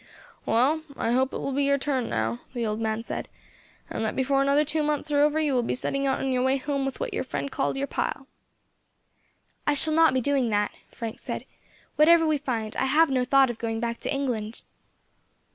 "Well, I hope it will be your turn now," the old man said, "and that before another two months are over you too will be setting out on your way home with what your friend called your pile." "I shall not be doing that," Frank said; "whatever we find, I have no thought of going back to England."